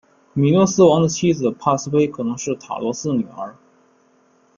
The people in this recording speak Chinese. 米诺斯王的妻子帕斯菲可能是塔罗斯的女儿。